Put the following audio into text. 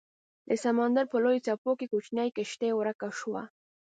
د سمندر په لویو څپو کې کوچنۍ کیشتي ورکه شوه